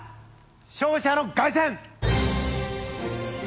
勝者の凱旋！